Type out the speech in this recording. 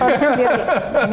pakai produk sendiri